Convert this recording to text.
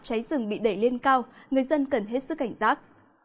cháy rừng bị đẩy lên cao người dân cần hết sức cảnh giác